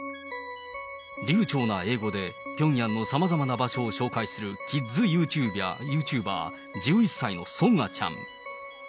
流ちょうな英語で、ピョンヤンのさまざまな場所を紹介するキッズユーチューバー、１１歳のソンアちゃん。